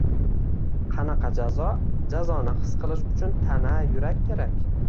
Qanaqa jazo? Jazoni his qilish uchun tana, yurak kerak.